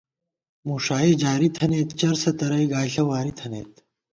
مُݭائی جاری تھنَئیت، چرسہ تَرَئی گائیݪہ واری تھنَئیت